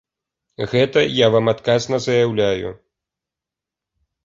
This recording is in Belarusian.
Гэта я вам адказна заяўляю.